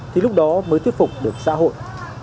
thì lúc đó mới thuyết phục được xã hội